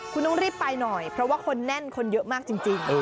คุณต้องรีบไปหน่อยเพราะว่าคนแน่นคนเยอะมากจริง